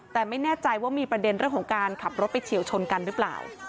แต่ไม่แน่ใจว่ามีประเด็นเรื่องของการขับรถไปเฉียวชนกันหรือเปล่า